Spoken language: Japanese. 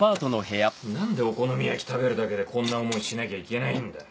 何でお好み焼き食べるだけでこんな思いしなきゃいけないんだよ。